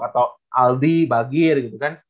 atau aldi bagir gitu kan